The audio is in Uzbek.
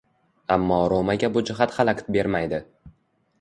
Ammo Romaga bu jihat xalaqit bermaydi.